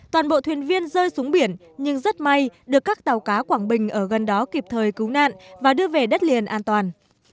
toàn bộ thuyền viên rơi xuống biển nhưng rất may được các tàu cá quảng bình ở gần đó kịp thời cứu nạn và đưa về đất liền an toàn